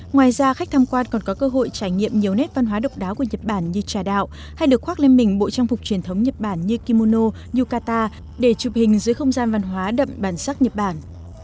ngoài ra khách tham quan còn có cơ hội trải nghiệm nhiều nét văn hóa độc đáo của nhật bản như trà đạo hay được khoác lên mình bộ trang phục truyền thống nhật bản như kimono yukata để chụp hình dưới không gian văn hóa đậm bản sắc nhật bản